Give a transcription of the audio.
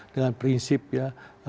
dengan prinsip ya